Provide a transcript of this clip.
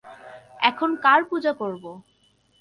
এখন কার পূজা করব?